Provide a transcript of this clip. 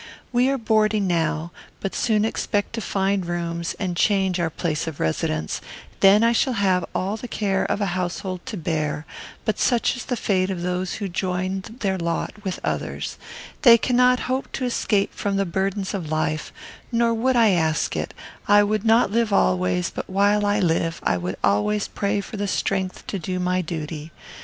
We are boarding now, but soon expect to find rooms and change our place of Residence, then I shall have all the care of a household to bear, but such is the fate of those who join their Lot with others, they cannot hope to escape from the burdens of Life, nor would I ask it, I would not live alway but while I live would always pray for strength to do my duty.